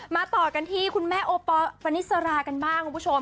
ต่อกันที่คุณแม่โอปอลปณิสรากันบ้างคุณผู้ชม